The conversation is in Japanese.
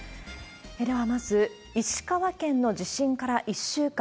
では、まず、石川県の地震から１週間。